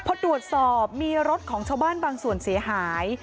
พอตรวจสอบมีรถของชาวบ้านบางส่วนเสียหาย